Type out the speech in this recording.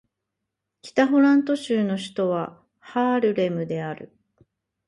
北ホラント州の州都はハールレムである